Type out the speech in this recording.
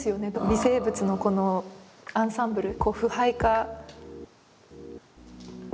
微生物のこのアンサンブル？